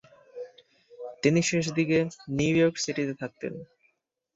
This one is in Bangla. তিনি শেষদিকে নিউ ইয়র্ক সিটিতে থাকতেন।